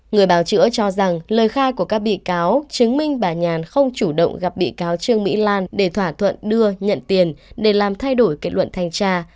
người báo chữa cho rằng lời khai của các bị cáo chứng minh bà nhàn không chủ động gặp bị cáo trương mỹ lan để thỏa thuận đưa nhận tiền để làm thay đổi kết luận thanh tra